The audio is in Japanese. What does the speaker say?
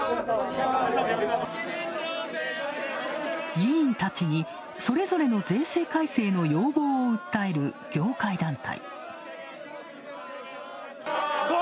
議員たちにそれぞれの税制改正の要望を訴える業界団体。